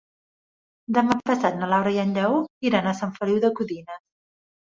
Demà passat na Laura i en Lleó iran a Sant Feliu de Codines.